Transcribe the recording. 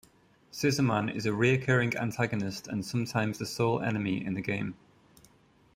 Scissorman is a reoccurring antagonist and sometimes the sole enemy in the game.